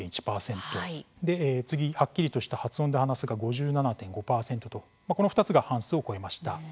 次、はっきりとした発音で話すが５７．５％とこの２つが半数を超えました。